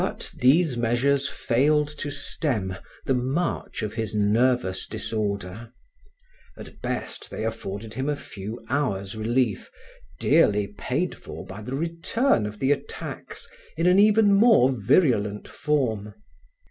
But these measures failed to stem the march of his nervous disorder. At best they afforded him a few hours' relief, dearly paid for by the return of the attacks in an even more virulent form.